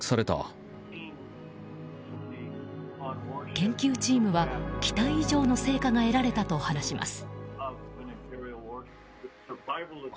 研究チームは、期待以上の成果が得られたと話します。